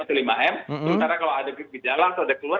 sementara kalau ada group di jalan atau ada di luar